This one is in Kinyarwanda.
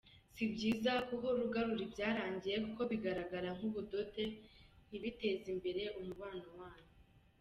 Si byiza ko uhora ugarura ibyarangiye kuko bigaragara nk’ubudode ntibiteze imbere umubano wanyu.